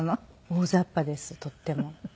大ざっぱですとっても。